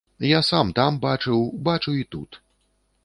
Я сам там бачыў, бачу і тут.